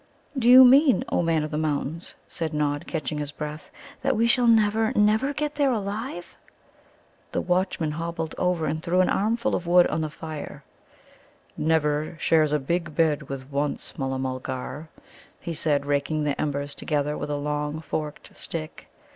"Do you mean, O Man of the Mountains," said Nod, catching his breath, "that we shall never, never get there alive?" The watchman hobbled over and threw an armful of wood on to the fire. "'Never' shares a big bed with 'Once,' Mulla mulgar," he said, raking the embers together with a long forked stick.